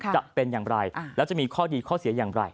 จะเป็นอย่างไรแล้วจะมีข้อดีข้อเสียอย่างไร